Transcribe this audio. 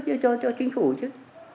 chứ cho chính phủ chứ